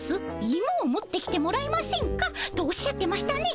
いもを持ってきてもらえませんか？」とおっしゃってましたね。